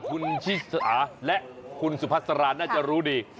คุณชิสาและคุณสุพัสราน่าจะรู้ดี